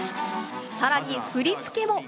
さらに振り付けも。